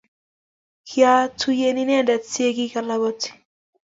Kwatuyen inendet ye kingalaboti.